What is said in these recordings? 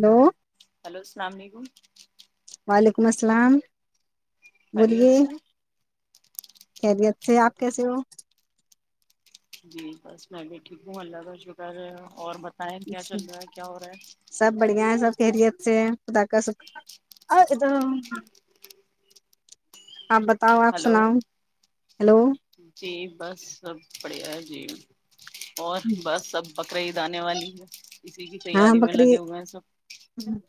hello hello اللام علیکم [inaudible] پری اچے خریت سے آپ کیسے ہو جی بس میں بھی ٹھیک ہوں اللہ کا شکر ہے اور ب آ کیا چل رہا ہے کیا ہو رہا ہے دری سے اد کا س ہلو جی بس سب بڑھیا جی اور بس سب بقرعید آنے والی ہے اسی کی ہاں تیاری میں بکری لگے ہوئے ہیں سب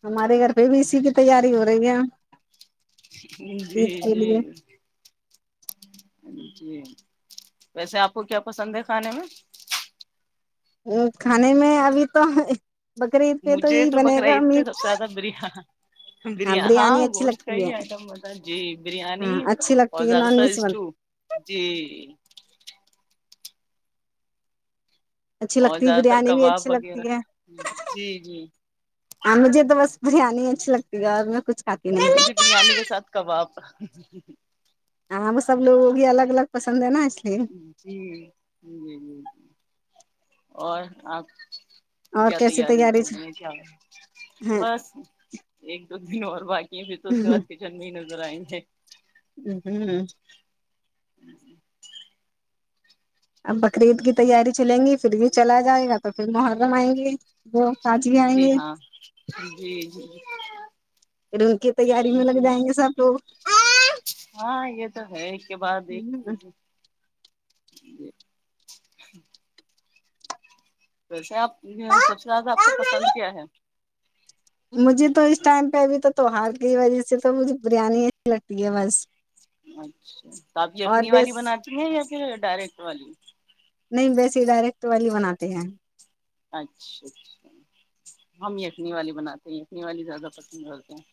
ہمارے گھر پہ بھی اسی کی تیاری ہو رہی ہے ہ عید جی کے جی جی ویسے آپ کو کیا پسند ہے کھانے میں ا کھانے میں ابھی تو بکری عید پہ مجھے یہی تو بنے پکرا گا ات سب میٹ سے زیادہ بری ب ہاں بریانی اچھی گوشت کا لگتی ہی ہے آئٹم ہوتا جی بریانی ہاں اچھی اور لگتی ہے زیادہ نان تر ویج اسٹو جی اچھی اور لگتی ہے زیادہ تر بریانی بھی کباب اچھی وغیرہ لگتی ہے جی جی ہاں مجھے تو بس بریانی ہی اچھی لگتی ہے اور میں کچھ کھاتی ج نہیں جی بریانی کے ساتھ کباب ہاں سب لوگوں کی الگ الگ پسند ہے نا لیے جی ج ج ج اور آپ اور کیا کیسی تیارییا تیاری کر رہی ہیں کیا ہے بس ایک دو اور بائے یہ پھر تو اس کے بع کچن مہیننے ارئے ہ ہوں ہ اب بقرعید کی تیاری چلیں گی پھر بھی چلا جائے گا تو پھر محرم آئیں گے وہ کاجی آئیں جی گے ہاں جی جی پھر ان کی تیاری میں لگ جائیں گے سب لوگ ہاں یہ تو ہے ایک کے بعد ایک کیجے ویسے آپ سب سے زیادہ آپ کو پسند کیا ہے مجھے تو اس ٹائم پہ ابھی تو تیوار کی وجہ سے تو مجھے بریانی اچھی لگتی ہے بس اچھا تو آپ یخنی اور والی بیس بناتی ہیں یا ڈائریکٹ والی نہیں بییسی ڈائریکٹ والی بناتے ہیں اچھا اچھا ہم یخنی والی بناتے ہیں یخنی والی زیادہ پسند کرتے ہیں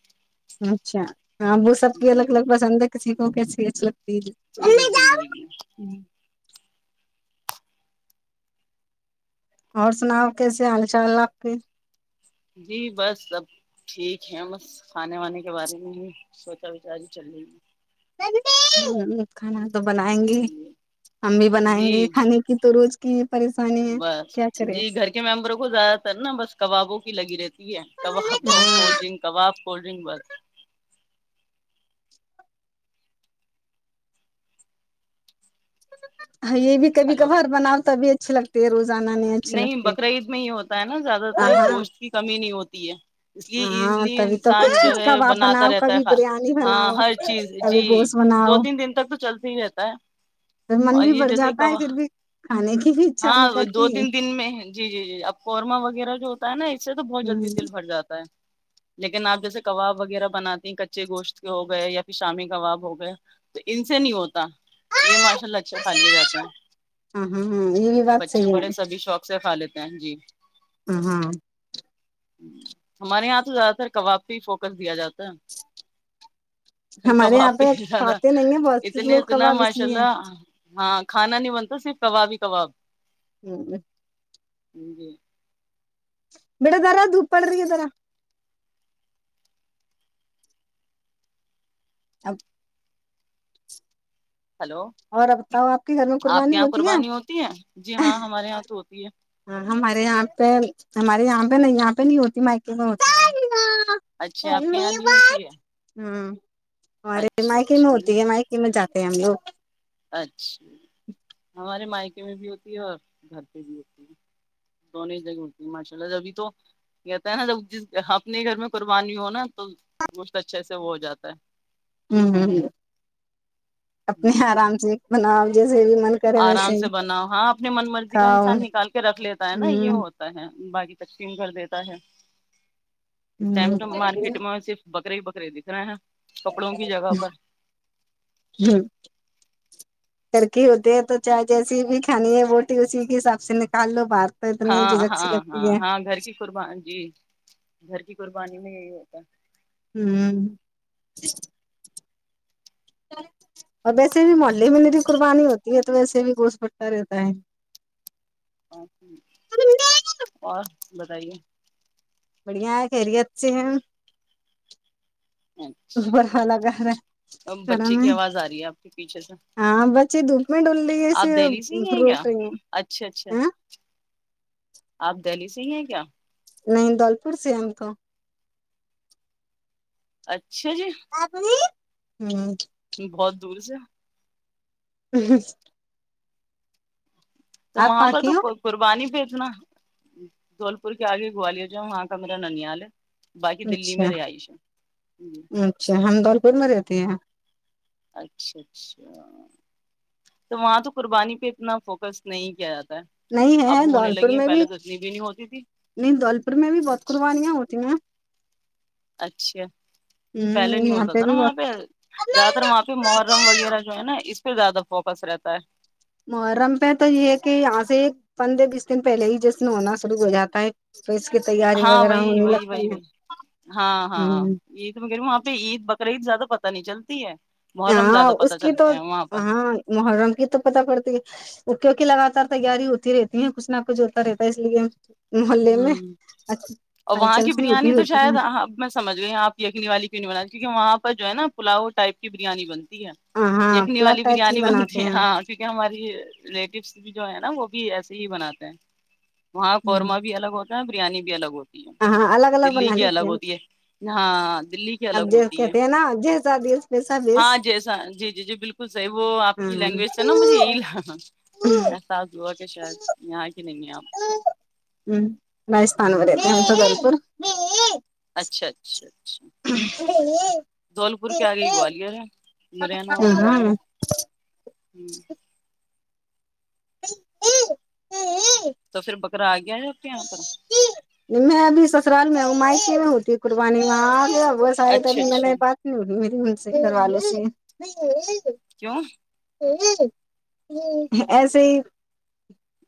اچھا ہاں وہ سب کی جی الگ الگ پسند ہے کسی اوکے ھیک ا جی جی جی جی کیا اور سناؤ کیسے حال چال آپ کے جی بس سب ٹھیک ہے بس کھانے وانے کے بارے میں ہی سوچا وچاری چل رہے گی کانا تو بنائیں گے ہے ہم بھی بنائیں گے جی کھانے کی تو روز کی پریشانی ہے بس کیا چلے جی گھر کے ممبروں کو زیادہ تر نا بس کبابوں لگی رہیتی یہ کباب ب کو ڈنک کباب کولڈ ڈرنک بات اچ ہاں یہ بھی کب ہلو کبھار بناؤ تبھی اچے لگتے ہےوز نہیں بقر عید میں ہی ہوتا ہے نا زیادہ تر ہاں گوشت کی کمی نہیں ہوتی تی ہے اس لیے ہاں ایزلی تبھی تو انسان کچھ جو کچھ ہے کب آپ بناتا بناؤ رہتا کبھی ہےا بریانی ہاں بناؤ ہر چیز کبھی جی گوشت دو بناؤ تین دن تک تو چلتا ہی رہتا ہے پھر من اور بھی یہ بڑھ جیسے جاتا کب ہے پھر بھی کھانے کی بھی اچھا ہاں نہیں دو کرتی تین دن میں جی جی جی اب قورما وغیرہ جو ہوتا ہے نا اس سے تو بہت جلدی دل ہاں بھر جاتا ہے لیکن آپ جیسے کباب وغیرہ بناتے ہیں کچے گوشت کے ہو گئے یا پھر شامی کباب ہو گیا تو ان سے نہیں ہوتا یہ ماشاء اللہ اچھا کھا لیا جاتے ہیں ہاں یہ بھی بات بچے صحیح بڑے سبھی شوق سے کا لیتے ہاں جی ہ ہاں ہمارے یہاں تو زیادہ تر کبابی فوکس دیا جاتا ہے ہمارے کباب یہاں پ پہ زیادہ کھاتے نہیں ہیں بہت سے اتنے لوگ اتنا کباب اس ماشاء لیے اللہ ہاں کھانا نہیں بنتا صرف کباب ہی کباب ہوں ج جی بڑا دارا دھوپ پڑ رہی ہے را اب ہلو اور اب بتاؤ آپ کے گھر میں آپ کے قربانی یہاں ہوتی ہے قربانی ہوتی ہے جی ہاں ہمارے یہاں تو ہوتی ہے ہاں ہمارے یہاں پہ ہمارے یہاں پہ نہیں یہاں پہ نہیں ہوتی مائکے میں ہوتی اچھا ہاں آپ کے یہاںنی ہوتی ہے ارے اچھا مائکی میں اچھا ہوتی نہیں ہے مائکی میں جات ہم لوگ اچھا ہمارے مائک بھی ہوتی ہے اور گھر پہ بھی ہوتی ہے دونوں جگہ ہوتی ماشاء اللہ جبھی تو کہتا ہے نا جب ج اپنے گھر میں قربانی ہوناا تو گوشت اچھے سے وہ ہو جاتا ہے ہوں [unintelligible] ہے اپنے آرام سے بناؤ جی [unintelligible] آرام سے بناؤ ہاں اپنی من مرضی کا کھاؤ انسان نکال کے رکھ لیتا ہے نا یہ ہ ہوتا ہے باقی تقسیم کر دیتا ہے اس ٹائم ہ تو مارکیٹ میں صف بکرے ہی بکرے دکھ رہے ہیں کپڑوں کی ج جی جگہ پر [unintelligible] گرکی ہوتی ہے تو چائے جیسی بھی کھانی ہے روٹی اسی کے حساب سے نکال لو باہر تو اتنی ہاں جھجک سی ہاں لگتی ہاں ہے ہاں گھر کی قربان جی گھر کی قرب بانی میں یہی ہوتا ہے ہوں اور ویسے بھی محلے میں میری قربانی ہوتی ہے تو ویسے بھی گوش بٹتا رہتا ہے ا اور بتائیے بڑھیا ہے خریت سے ہیں اوبر والا اچھا گھر ہے کڑا بچے کی میں آواز آ رہی ہے آپ کے پیچھے سے ہاں بچے دھوپ میں ڈول لیے اسے آپ دہلی سے ہی ہیں کیا روک رہی اچھا اچھا ہیں ہ [inaudible] آپ دہلی سے ہی ہیں کیا نہیں دولپور سے ہے ہم تو اچھا [inaudible] ا ت [inaudible] ہاں بہت دور سے ہ [unintelligible] تو وہاں کہاں پر کی ہو تو قربانی پ سنا دھول پور کے آگے گوالر جاؤ وہاں کا میرا ننیال ہے [inaudible] دلی اچھا میں رہائش ہے جی اچھا ہم دولپور میں رہتے ہیں اچھا اچھا تو وہاں تو قربانی پہ اتنا فوکس نہیں کیا تھا نہیں ہے دھول پور میں بھی نہیں ہوتی تھی نہیں دھول پور میں بھی بہت اچھا قربانیاں ہوتی ہیں ہ اچھا یہاں پہ بھی بہت ر وہاں پہ محرم وغیرہ جو ہے نا اس زیادہ فوکس رہتا ہے محرم پہ تو یہ ہے کہ یہاں سے ایک پندرہ بیس دن پہلے ہی جشن ہونا شروع ہو جاتا ہے تو اس کی تیاری ہاں وغیرہ وہی ہونے وہی وہی لگتی وہی ہاں ہے ہاں ہوں یہ تو میں وہاں پہ عید ب قریب زیادہ پتا نہیں چلتی ہے محرم ہاں زیادہ اس پتہ کی تو چلتے ہیں وہاں پر ہاں محرم کی تو پتہ کرڑتی ہے لگاتار تیاری ہوتی رہتی ہیں کچھ نہ کچھ ہوتا رہتا ہے اس لیے محلے میں ہوں اچ اور وہاں ہلچل کی سی ہوتی بریانی تو رہتی ہے شاید میں سمجھ گئی آپ یخنی والی کینی کیونکہ وہاں پر جو ہے نا پلاؤ ٹائپ کی بریانی بنتی ہاں لخنی پلاٹ والی ٹائپ کی بریانی بناتے بنتی ہے ہیں ہم، ہاں کیونکہ ہماری ریلیٹیوس بھی جو ہے نا نا وہ بھی ایسے ہی بناتے ہیں وہاں قورما بھی الگ ہوتا ہے بریانی بھی الگ ہوتی ہے ہاں الگ دلی بنا کی لیتے الگ ہیں ہوتی ہے ہاں دلی کی اب الگ ج ہوتی ہے کہتے ہیں نا جیسا دیس ویسا بیس ہاں جیسا جی جی جی بالکل صحیح وہ آپ ہ کی لینگویج تھا نا مجھے یہی لا احساس ہوا کہ شاید یہاں کی نہیں آپ ہ رستھان و ہم ج پور اچھا اچھا دولپور کے آگئی گالر ہے مرنا گالر ہ ہاں تو پھر بکرا آ گیا ہے آپ کے یہاں پر میں ابھی سسرال میں ہمائش کی نہیں ہوتی قربانی میں آ گ بس آ ہے اچھا تری اچھا م پات نہیں سے کروا لو سے کیوں ایسے ہی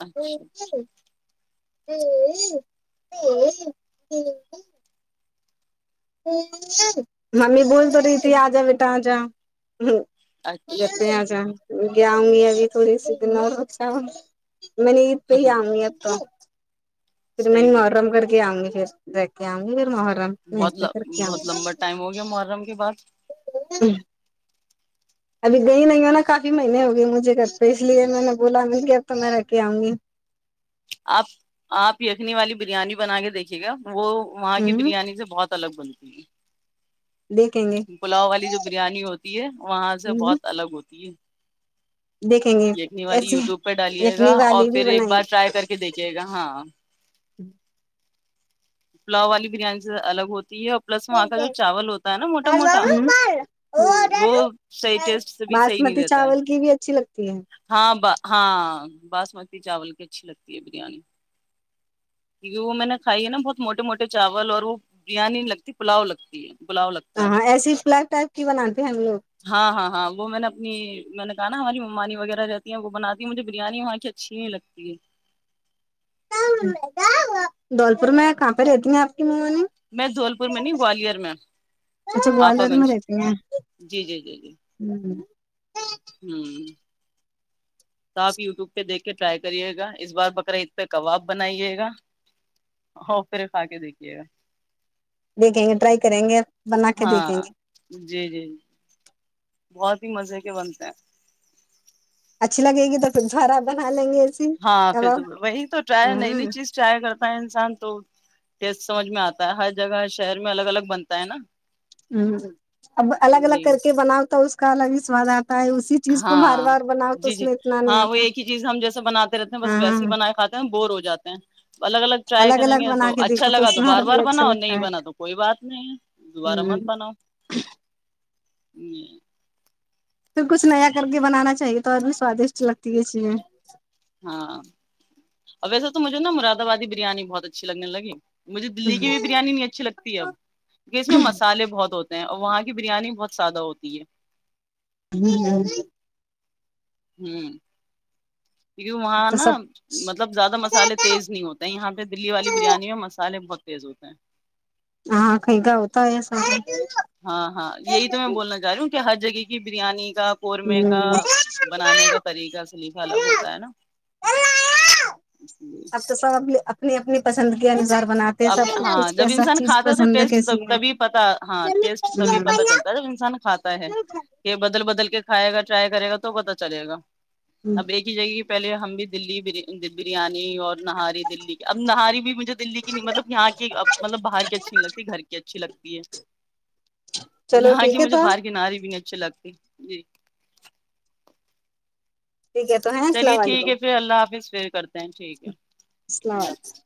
اچھا اچھا ہ ہ ہ ممی بول تو رہی تھی آ جا بیٹا آ جا ہ جت اچھا آ ج اچھا گ آؤں گی ابھی تھوڑی سی دن اور اچھا میں نے عید پہ ہی آؤں گی اب تو پھر میں صحیح بات محرم کر کے آؤں گی پھر جیکے ہم گ مح بہت بہت لمبا ٹائم ہو گیا محرم کی بع جی ابھی گئی نہیں ہو نا کافی مہینے ہو گئے مجھے گھر پہ اس لیے میں نے بولا مل گ اب تو میں رہ کے آؤں گی آپ آپ خنی والی بریانی بنا کے دیکھیے گا وہ وہاں کی ہوں بریانی سے بہت سلگ بندتی دیکھیں گے پلاؤ والی جو بریانی ہوتی ہے وہاں سے ہ بہت الگ ہوتی ہے دیکھیں گے یخنی والی ایسے یوٹیوب پہ ڈالیے گا یخنی اور والی بھی پھر ایک بنائیں گے بار ٹرائی کر کے دیکھیے گا ہاں پلاؤ والی بریانی سے الگ ہوتی پلس وہاں کا جو چاول ہوتا ہے نا موٹا موٹا وہ صحی ٹیسٹ سے بھی صحیح نہیں باسمتی دیتا ہے چاول کی بھی اچھی لگتی ہے ہاں ب ہاں باسمتی چاول کی اچھی لگتی ہے بریانی کیونکہ وہ میں نے کھائی ہے نا بہت موٹے موٹے چاول اور وہ بریانی لگتی پلاؤ لگتی ہے پلاؤ لگتا ہاں ہے ہاں ایسی فلگ ٹائپ کی بناتے ہیں ہم لوگ ہاں ہاں ہاں وہ میں نے اپنی میں نے کہا نا ہماری ممانی وغیرہ رہتی ہیں وہ بناتی مجھے بریانی وہاں کی اچھی نہیں لگتی ہے دھولپور میں کہاں پہ رہتی ہیں آپ کی ممانی میں دول پور میں نہیں گوالر میں اچھا آپا گوالر منش میں رہتی ہیں جی جی جی جی ہوں تو آپ یوٹیوب پہ دیکھ کے ٹرائی کریے گا اس بار پکراید پہ کباب بنائیے گا اور پھر کھا کے دیکھیے گا دیکھیں گے ٹرائی کریں گے بنا کے دیکھیں ہاں گے جی جی بہت ہی مزے کے بنتے ہیں اچھی لگ گی تو پھر خراب بنا لیں گے ایسی ہاں پھر کباب تو وہی تو رائی ہوں نئی نئی چیز ٹرائی کرتا ہے انسان تو کیس سمجھ میں آتا ہے ہر جگہ ہر شہر میں الگ الگ بنتا ہے نا اب الگ الگ جی کر کے بنا ہوتا اس الگ بھی سوادات ہاں جی جی میں اتنا نہیں ہاں وہ آتا ایک ہی چیز ہم جیسے بناتے رہتے ہیں بس ویسے ہی ہاں بنائے کاتے ہیں بورو جاتے ہیں الگ الگ ٹرائی کریں الگ گے بنا تو کے اچھا دیکھو لگا اس تو میں ہر بار بار بھی اچھا بناؤ لگتا نہیں ہے بنا تو کوئی بات نہیں ہے دوبارہ ہوں مت بناؤ [inaudible] پھر کچھ نیا کر کے بنانا چاہیے تو آدمی سوادشٹ لگتی ہے چیزیں ہاں اور ویسا تو مجھے نا مرادبادی بریانی بہت اچھی لگنے لگی مجھے دللی کی بھی ہوں بریانی نہیں اچھی لگتی ہے اب کیکہ اس میں مسالے بہت ہوتے اور وہاں کی بریانی بہت زیادہ ہوتی ہے [inaudible] ہوں کیونکہ وہاں تو نا سب مطلب زیادہ مسالے تیز نہیں ہوتے یہاں پہ دلی والی بریانی اور مسالے ب تیز ہوتا ہے ہاں کیں گا ہوتا ہے ہاں ہاں یہی تو میں بولنا چاہ رہی ہوں ہر جگہ کی بریانی کا قورمے کا بنانے کا طریقہ سلیفا الگ ہوتا ہے نا ہوں اس لیے اب تو سب اپنی اپنی پسند کے انسار اپنے ہاں جب انسان کھاتا ہے تو کیسی ٹیسٹب ہے تبھی پتا ہاں ٹیسٹ تبھی پتا چلتا ہے جب انسان کھاتا ہے کہ بدل بدل کے کھائے گا ٹرائی کرے گا تو پتا چلے گا اب ایک ہی جگہ پہلے ہم بھی دلی بریانی اور نہاری دلی کی اب نہاری بھی مجھے مطلب یہاں کی مطلب باہر کی اچھی نہیں لگتی گھر کی اچھی لگتی ہے چلو یہاں کی ٹھیک ہے مجھے تو باہر کے ناری بھی نہیں اچھے لگتے جی ٹھیک ہے تو ہے چلیے السلام ٹھیک علیکم ہے پھر اللہ حافظ کرتے ٹھیک ہے السلام اللہ علیکم حافظ